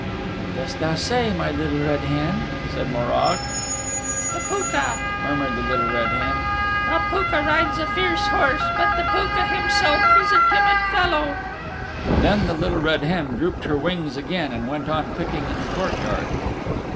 "What dost thou say, my Little Red Hen?" said Morag. "The Pooka," murmured the Little Red Hen. "The Pooka rides a fierce horse, but the Pooka himself is a timid little fellow." Then the Little Red Hen drooped her wings again, and went on picking in the courtyard.